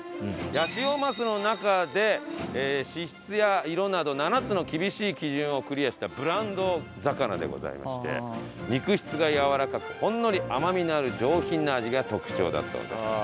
ヤシオマスの中で脂質や色など７つの厳しい基準をクリアしたブランド魚でございまして肉質がやわらかくほんのり甘みのある上品な味が特徴だそうです。